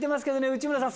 内村さん